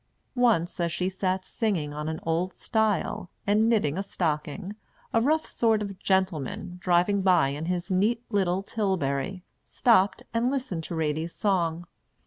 Once, as she sat singing on an old stile, and knitting a stocking, a rough sort of gentleman, driving by in his neat little tilbury, stopped and listened to Ratie's song.